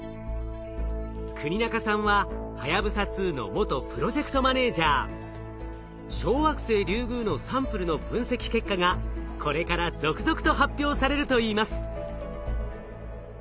國中さんは小惑星リュウグウのサンプルの分析結果がこれから続々と発表されるといいます。